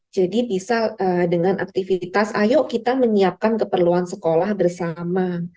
jadi bisa dengan aktivitas ayo kita menyiapkan keperluan sekolah bersama